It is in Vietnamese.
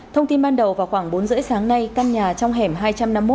thông tin ban đầu vào khoảng bốn h ba mươi sáng nay căn nhà trong hẻm hai trăm năm mươi một